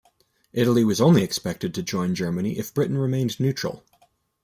Italy was only expected to join Germany if Britain remained neutral.